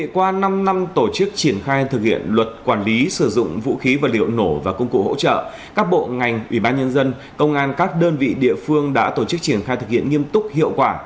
qua năm năm tổ chức triển khai thực hiện luật quản lý sử dụng vũ khí vật liệu nổ và công cụ hỗ trợ các bộ ngành ủy ban nhân dân công an các đơn vị địa phương đã tổ chức triển khai thực hiện nghiêm túc hiệu quả